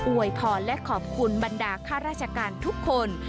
วยพรและขอบคุณบรรดาข้าราชการทุกคน